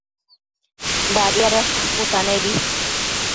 Badiadash caputanebi